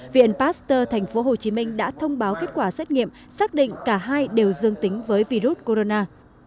viện pasteur tp hcm đã thông báo kết quả xét nghiệm xác định cả hai đều dương tính với virus corona